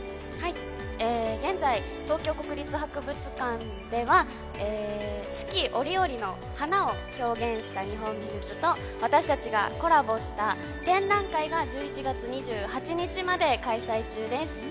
現在、東京国立博物館では四季折々の花を表現した日本美術と私たちがコラボした展覧会が１１月２８日まで開催中です。